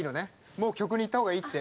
もう曲にいった方がいいって。